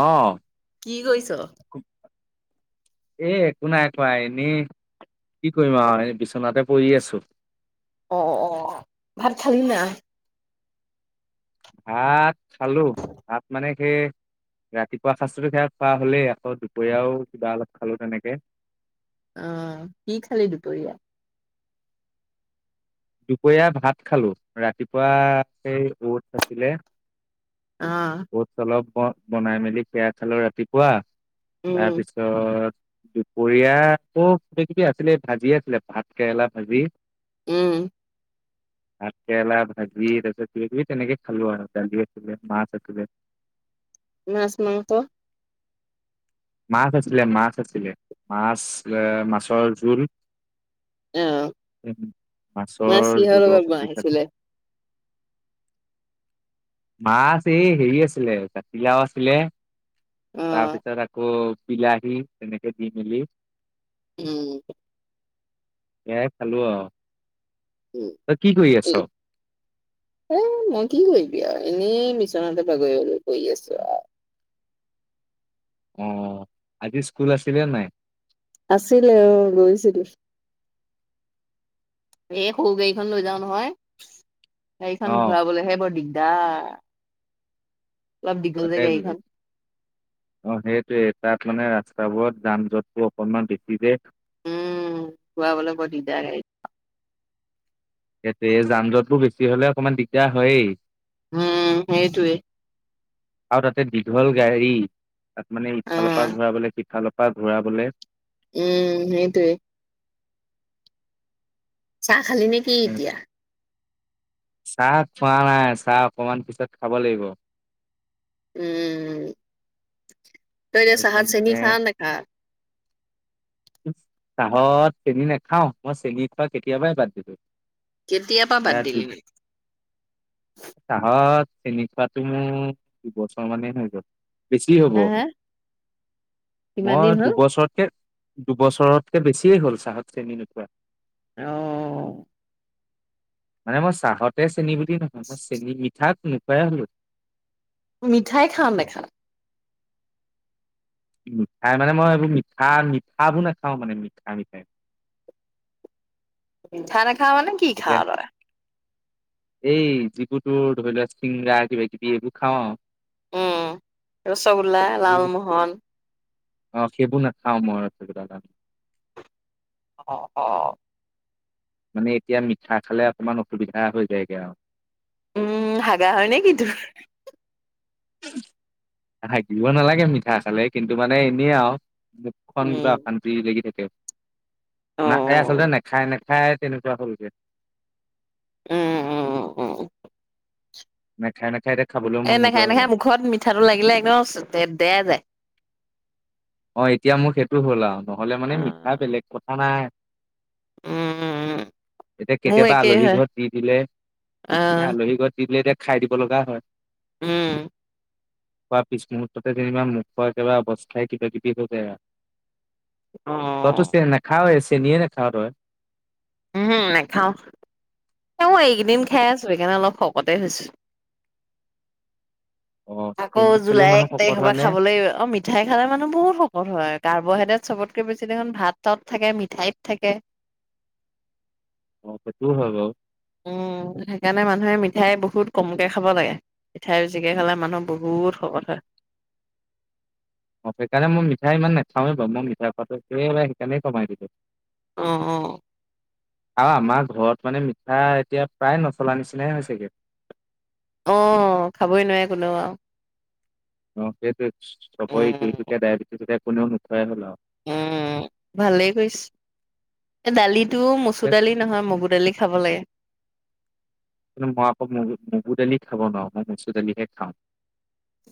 অ'। কি কৰিছ? এ, একো নাই কৰা, এনে। কি কৰিম আৰু বিচনাতে পৰি আছোঁ। অ', অ' ভাত খালি নাই? ভাত খালো। ভাত মানে সেই ৰাতিপুৱা সাঁজতুতো খোৱা হ'লেই আকৌ দুপৰীয়াও কিবা অলপ খালোঁ তেনেকে। অ' কি খালি দুপৰীয়া? দুপৰীয়া ভাত খালোঁ, ৰাতিপুৱা সেই অটছ আছিলে। অ। অ'টচ অলপ বনাই মেলি সেয়া খালোঁ ৰাতিপুৱা উম তাৰপিছত পিছত দুপৰীয়া আকৌ কিবা কিবি আছিলে, ভাজি আছিলে, ভাত কেৰেলা ভাজি। উম। ভাত কেৰেলা ভাজি তাৰপিছত কিবা কিবি তেনেকে খালোঁ আৰু। দালি আছিলে মাছ আছিলে। মাছ মাংস। মাছ আছিলে মাছ আছিলে। মাছ মাছৰ জোল। অ মাছ মাছৰ কিহৰ জুলেও লগত খতি বনাইছিলে? মাছ এই হেৰি আছিলে কাতিলাও আছিলে অ তাৰপিছত আকৌ বিলাহী তেনেকে দি মেলি উম। এয়াই খালো অ'। উম এই। এ মই কি কৰিবি আৰু এনেই বিচনাতে বাগৰিবলৈ পৰি আছো আৰু। অ' আজি স্কুল আছিলে নাই আছিলে অ' গৈছিলো। এ সৰু গাড়ীখন লৈ যাও নহয় অ গাড়ীখন ঘূৰাবলৈহে বৰ দিগদাৰ। অলপ দীঘল যে গাড়ীখন [unintelligible] অ' সেইটোৱে তাত মানে ৰাস্তাবোৰত যান জঁটটোৰ অকনমান বেছি যে। উম ঘুৰাবলৈ বৰ দিগদাৰ ই যান জঁটবোৰ বেছি হলে অকণমান দিগদাৰ হয়েই। উম সেইটোৱে আৰু তাতে দীঘল গাড়ী তাত মানে অ ইফালৰ পৰা ঘূৰাবলৈ ইফালৰ পৰা ঘূৰাবলৈ উম সেইতে চাহ খালি নেকি এতিয়া চাহ খোৱা নাই চাহ অকমান পিছত খাব লাগিব উম তইনে চাহত তাৰপিছত চেনি মানে খা নে খা চাহত চেনিী নাখাও মই চেনী খোৱা কেতিয়াবাই বাদ দিছো কেতিয় পৰাা বাদ দিলি ন চাহত চিনি খোৱাাতটো মোৰ দুবছৰ মানে হৈ গ'ল বেছি হব হে হে কিমান দিন মই হ'ল? দুবছৰতকে দুবছৰতকে বেছিয়ে হ'ল চাহত চ্ৰেণী নোখোৱা অ মানে মই চাহতে চেনী বুলি নহয় মই চেনিী ইঠাক নোকাই হলো মিঠাই খাম দেখাম মিঠাই মানে মই এইবোৰ মিঠা মিঠাবোৰ নাখাও মানে মিঠাই মিঠাই খানা খাা মানে কি খা এতিয়া ৰ হয় এই যিবু তোৰ ধৰি লোৱা চিংগৰা কিবা কিবি এইবোৰ খাওঁ অ উম ৰসগোল্লা এই লালমোহন অ সেইবোৰ নাখাও মই অ অ মানে এতিয়া মিঠা খালে অকমান অসুবিধা হৈ যায়গে আৰু উম হাগা হয় নে কি তোৰ থাকিব নালাগে মিঠা চালে কিন্তু মানে এনেই আৰু মুখখন উম, কিবা এখন লাগি থাকে না এই আচলতে অ', নেখাই নেখায় তেনেকুৱা হলকে উম উম উ উ নে খাই নে খাই এ নাখায় নাখায় মুখত মিঠাটো লাগিলে একদম দেেয়া যায় অ এতিয়া মোৰ সেইটো হ'ল আৰু নহলে মানে মিঠা অ', বেলেগ কথা নাই উম উ এতিয়া কেতিয়াবা আলহী ঘৰত দি দিলে অ', স আলহী ঘৰত দি দিলে এতিয়া খাই দিব লগা হয় ওম কোৱা পিছ মুহূুৰ্ততে যেনিবা মুখৰ কিবা অৱস্থাই কিবা কিবি থ যে ততো চ অ', নাখা চনে নে খাোৱাটো হয় উম নাখাও মই এইকেইদিন খাই আছো সেইকাৰণে অলপ শকতে হৈছো অ আকৌ চেনি খালেও জুলাই মানুহ এক শকত তাৰিখৰ হয় পৰা নে খাবলৈ অ মি মিঠাই খালে মানুহ বহুত শকত হয় কাৰ্বহাইড্ৰেট চবতকে বেছি দেখোন ভাত চত থাকে মিঠাইত থাকে [inaudible] সেইটোৱো হয় বাৰু। উম, সেইকাৰণে মানুহে মিঠাই বহুত কমকে খাব লাগে, মিঠাই বজিকে খালে মানুহ বহুত শকত হয়। অহ, সেইকাৰণে মই মিঠাই ইমান নাখাওে বাৰু। মই মিঠাই পাতটো একেবাৰে সেইকাৰণে কমাই দিছোঁ। অহ', অহ'। আৰু আমাৰ ঘৰত মানে মিঠা এতিয়া প্ৰায় নচলাৰ নিচিনায়ে হৈছেগে। অহ, খাবই নোৱাৰে কোনেও আৰু। অহ, সেইয়ে চবৰে উম ইটো-সিটোকে ডায়েবেটিছ হৈছে কোনেও নোখুৱাই হ'ল আৰু। উম, ভালেই কৰিছে। দালিতো মচুৰ দালি নহয় মগুৰ দালি খাব লাগে। কিন্তু মই আকৌ মগু-মগুৰ দালি খাব নোৱাৰো, মই মচুৰ দালিহে খাওঁ।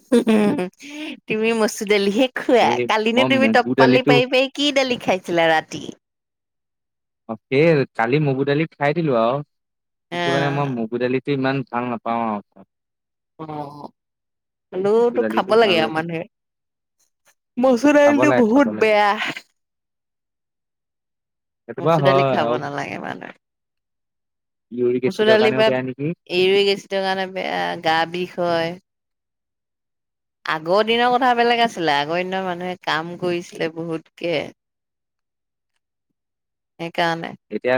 [unintelligible] তুমি মচুৰ দালিহে খোৱা? এই কালিনে মই তুমি মগু টপালি দালিটো পাৰি পাৰি কি দালি খাইছিলা ৰাতি? অহ, সেইয়াই কালি মগুৰ দালি খাই দিলোঁ আৰু আ কিন্তু, মানে মই মগুৰ দালি ইমান ভাল নাপাওঁ আৰু। অহ, হ'লেও মচুৰ টো খাব দালিটো লাগে ভাল আৰু মানুহে। মচুৰ খাব দালিটো লাগে খাব বহুত লাগে বেয়া। সেইটো বাৰু মচুৰ দালি হয় খাব আৰু নালাগে মানুহে। ইউৰিক মচুৰ এচিডৰ দালিৰ কাৰণেও পৰা বেয়া নেকি ইউৰিক এচিডৰ কাৰণে বেয়া, গা বিষ হয়। আগৰ দিনৰ কথা বেলেগ আছিলে, আগৰ দিনৰ মানুহে কাম কৰিছিলে বহুতকে। সেইকাৰণে। এতিয়া,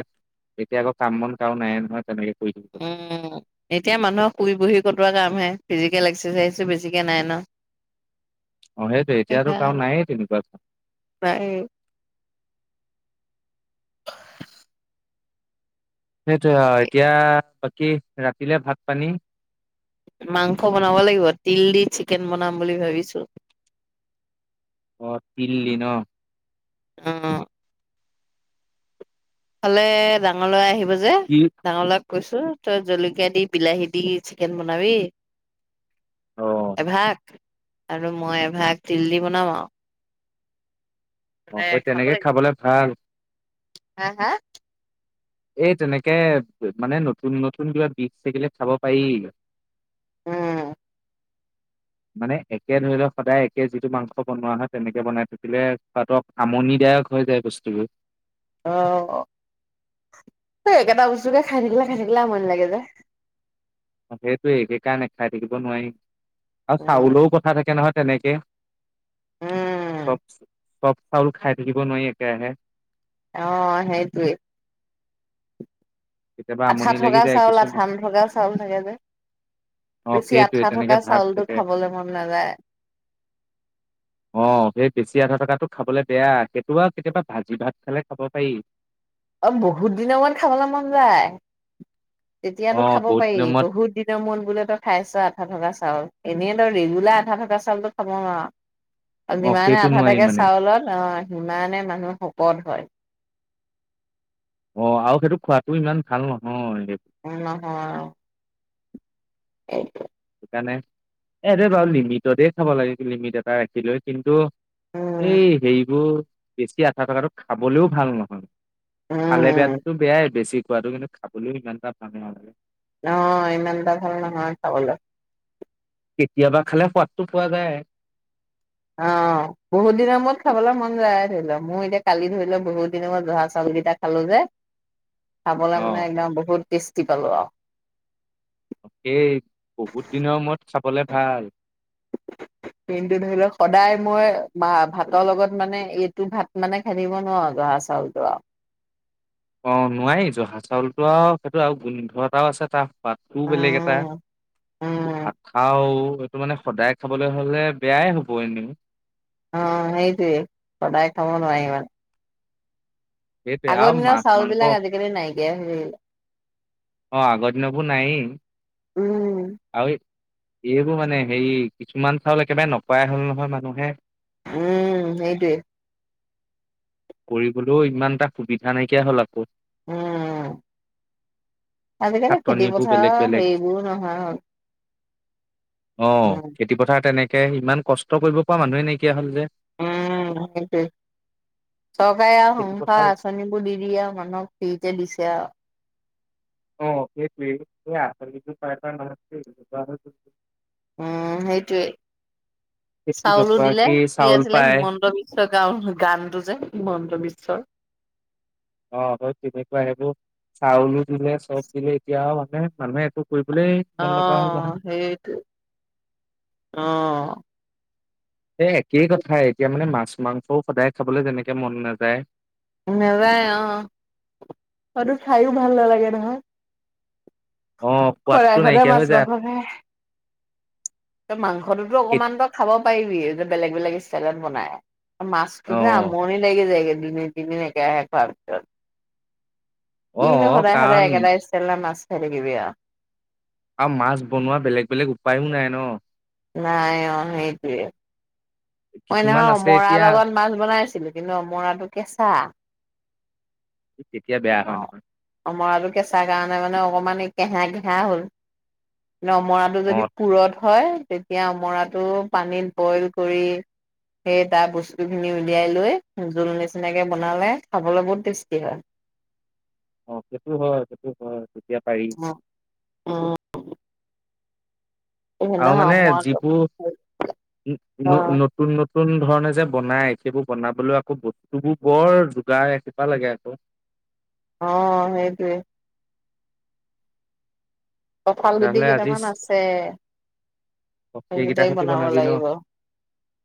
এতিয়া আকৌ কাম বন কাৰো নাইয়ে নহয় তেনেকে। কৰি থাকিবলৈ অহ, এতিয়া মানুহৰ শুই বহি কটোৱা কামহে। ফিজিকেল এক্সাৰচাইজো বেছিকৈ নাই ন'? অহ, সেইটোৱে এতিয়াতো কাৰো নাইয়ে তেনেকুৱা। নাইয়ে সেইটোয়ে আৰু এতিয়া বাকী ৰাতিলে ভাত- পানী? মাংস বনাব লাগিব, তিল দি চিকেন বনাম বুলি ভাবিছোঁ। অহ, তিল দি ন'? অহ। ইফালে ডাঙৰ ল'ৰা আহিব যে, কি ডাঙৰল'ৰাক কৈছোঁ তই জলকীয়া দি, বিলাহী দি চিকেন বনাবি। অ এভাগ, আৰু মই এভাগ তিল দি বনাম আৰু। মানে আকৌ খাব তেনেকে লাগিব খাবলে ভাল এতিয়া। হা, হা? এই তেনেকে মানে নতুন-নতুন কিবা বিধ থাকিলে খাব পাৰি। উম। মানে একে ধৰি লওঁক, সদায় একে যিটো মাংস বনোৱা হয়, তেনেকে বনাই থাকিলে খোৱাটো আমনিদায়ক হৈ যায় বস্তুবোৰ। অহ, এ একেটা বস্তুকে খাই থাকিলে, খাই থাকিলে আমনি লাগে যে। তাকেটো সেইকাৰণে খাই থাকিব নোৱাৰি, আৰু উম চাউলৰো কথা থাকে নহয় তেনেকে। উম চব, চব চাউল খাই থাকিব নোৱাৰি একেৰাহে। অহ, সেইটোৱেই। কেতিয়াবা আঠা আমনি লাগি থকা যায় চাউল, আঠা কিছুমান নথকা চাউল থাকে যে। অ বেছি সেইটোৱে আঠা তেনেকে থকা ভাগ চাউলটো থাকে খাবলৈ মন নাযায়। অহ, সেই বেছি আঠা থকাটো খাবলৈ বেয়া, সেইটো আৰু কেতিয়াবা ভাজি ভাত খালে খাব পাৰি। অহ, বহুত দিনৰ মূৰত খাবলৈ মন যায়। অ তেতিয়াতো খাব বহুত পাৰি, দিনৰ মূৰত বহুত দিন দিনৰ মূৰত বোলে তই খাইছোঁ আঠা থকা চাউল। এনেই তই ৰেগুলাৰ আঠা থকা চাউলটো খাব নোৱাৰ। অ যিমানে সেইটো আঠা নোৱাৰি থাকে মানে চাউলত অহ, সিমানে মানুহ শকত হয়। অহ, আৰু সেইটো খোৱাাটো ইমান ভাল নহয় সেইটো। উম, নহয় অহ। [unintelligible] সেইকাৰণে, এ এইটোৱে বাৰু লিমিটতেই খাব লাগে, লিমিট এটা ৰাখি লৈ। কিন্তু, এই উম হেৰিবোৰ, বেছি আঠা থকাটো খাবলেও ভাল নহয়। খালে উম বেয়াততো বেয়াই, বেছি খোৱাটো কিন্তু খাবলৈও ইমানটা ভাল নহয়। অ' ইমান এটা ভাল নহয় খাবলৈ। কেতিয়াবা খালে সোৱাদটো পোৱা যায়। অ, বহুত দিনৰ মূৰত খাবলৈ মন যায়। ধৰি ল' মোৰ এতিয়া কালি ধৰি ল' বহুত দিনৰ মূৰত জহা চাউলকেইটাক খালোঁ যে, খাবলৈ অ মানে একদম বহুত টেষ্টি পালোঁ আৰু এই বহুত দিনৰ মূৰত চাবলে ভাল। পিনটো ধৰি ল, সদায় মই বা ভাতৰ লগত মানে, এইটো ভাত মানে খাই থাকিব নোৱাৰো জহা চাউলতো আৰু অ, নোৱাৰি জহা চাউলটো আৰু সেইটো আৰু গোন্ধ এটাও আছে, তাৰ সোৱাদটোও বেলেগ এটা। উম উম নাখাও এইটো মানে সদায় খাবলৈ হলে বেয়াই হব এনে অ হেইটোৱে সদায় খাব নোৱাৰি ইমান সেইটোৱে আৰু আগৰ দিনৰ মাছ চাউল মাংস বিলাক আজিকালি নাইকিয়া হৈ আহিলে অ আগৰ দিন বোৰ নাই উম। আৰু এইবোৰ মানে হেৰি কিছুমান চাউল একেবাৰে নকৰাই হ'ল নহয় মানুহে উম সেইটোৱে কৰিবলৈও ইমান এটা সুবিধা নাইকিয়া হ'ল আকৌ উম আজিকালি খেতি খাটনিবোৰ বেলেগ পথাৰৰ বেলেগ। হেৰি বোৰো নোহোয়া হল অ উম খেতি পথাৰ তেনেকে ইমান কষ্ট কৰিব পৰা মানুহে নাইকিয়া হ'ল যে উম সেইটোৱে চৰকাৰে আৰু খেতি সংসাৰ পথাৰ আঁচনিবোৰ দি দিয়ে আৰু মানুহক ফ্ৰিতে দিছে আৰু অ সেইটোৱে উম সেইটোৱে খেতি চাউলো দিলে নকৰাকেই কি চাউল আছিলে পায় হিমন্ত বিশ্ব গান টো যে হিমন্ত বিশ্বৰ অ হয় তেনেকুৱা সেইবোৰ চাউলো দিলে চব দিলে এতিয়া মানে মানুহেটো কৰিবলৈ অ মন নকৰা হ'ল নহয়। হেইটোৱে অ এ একেই কথা এতিয়া মানে মাছ মাংসও সদায় খাবলৈ যেনেকে মন নাযায় নেযায় অ সোটো খায়ো ভাল নালাগে নহয় অ সোৱাদটো সদায় সদায় নাইকিয়া মাছ হৈ যায় মাংস খাই মাংস টোতো অকমান কেত- তই খাব পাৰিবি যে বেলেগ বেলেগ ষ্টেলত বনাই অ মাছটোযে আমনি লাগি যায়গে দুই দিন তিনি দিন একেৰাহে খোৱাৰ পিছত অ কিনো অ সদায় সদায় কাৰণ একেটা স্টাইলত মাছ খাই থাকিবি আৰু আৰু মাছ বনোৱা বেলেগ বেলেগ উপায়ো নাই ন নাই অ হেইটোৱে মই কিছুমান নহয় আছে অমৰা এতিয়া লগত মাছ বনাইছিলো কিন্তু অমৰাটো কেঁচা তেতিয়া বেয়া অ হয় নহয় অমৰাটো কেঁচা কাৰণে মানে অকণমান কেহা কেহা হ'ল কিন্ত অমৰাটো অ যদি পুৰঠ হয় তেতিয়া অমৰাটো পানীত বইল কৰি সেই তাৰ বস্তুখিনি উলিয়াই লৈ জোল নিচিনাকৈ বনালে খাবলৈ বহুত টেষ্টি হয় অ সেইটো হয় সেইটো হয় তেতিয়া পাৰি অ উম আৰু মানে মই যিবোৰ নতুন অ অ ন নতুন নতুন ধৰণে যে বনাই সেইবোৰ বনাবলৈ আকৌ বস্তুবোৰ বৰ যোগাৰ ৰাখিব লাগে আকৌ অ হেইটোৱে কঠাল গুটি তেতিয়াহ'লে আজি কেইটামান আছে সেই সেইকেইটা কেইটাই সতি বনাব বনাবি ন? লাগিব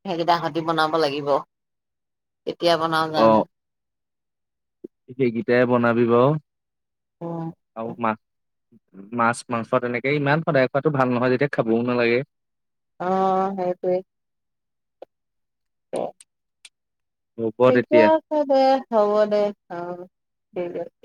সেইকেইটা সতি বনাব লাগিব কেতিয়া বনাও অ জানে সেইকেইটাই বনাবি বাৰু অ আৰু মাহ মাছ মাংস তেনেকে ইমান সদায় খোৱাো ভাল নহয় যেতিয়া খাবও নালাগে অ সেইটোৱে অ হ'ব ঠিকে তেতিয়া। আছে দে হ'ব দে অ ঠিক আছে